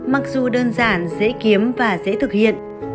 mặc dù đơn giản dễ kiếm và dễ thực hiện